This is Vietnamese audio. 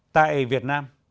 tại việt nam